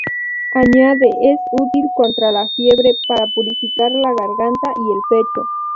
Añade, es útil contra la fiebre, para purificar la garganta y el pecho.